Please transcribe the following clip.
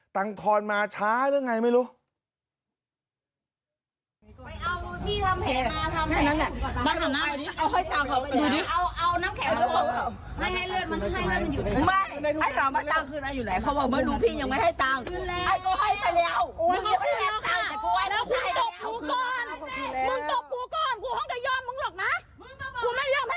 ังทอนมาช้าหรือไงไม่รู้